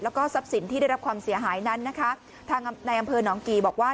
แล้วก็ทรัพย์สินที่ได้รับความเสียหายนั้นนะคะทางในอำเภอหนองกี่บอกว่า